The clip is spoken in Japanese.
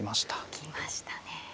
行きましたね。